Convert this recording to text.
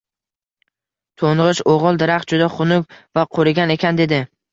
To`ng`ich o`g`il Daraxt juda hunuk va qurigan ekan, dedi